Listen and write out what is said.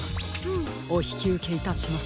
おひきうけいたします。